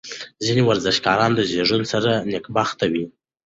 ځینې ورزشکاران د زېږون سره نېکبخته وي.